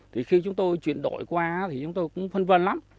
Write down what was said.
thì khi chúng tôi chuyển đổi qua thì chúng tôi cũng phân vân lắm